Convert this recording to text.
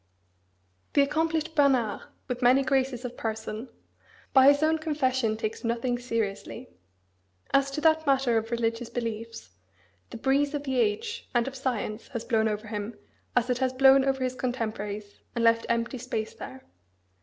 The accomplished Bernard, with many graces of person, by his own confession, takes nothing seriously. As to that matter of religious beliefs, "the breeze of the age, and of science, has blown over him, as it has blown over his contemporaries, and left empty space there."